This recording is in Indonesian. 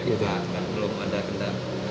tidak belum ada kena